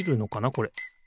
これ。